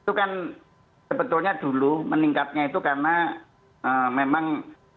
itu kan sebetulnya dulu meningkatnya itu karena memang